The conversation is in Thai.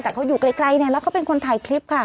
แต่เขาอยู่ไกลเนี่ยแล้วเขาเป็นคนถ่ายคลิปค่ะ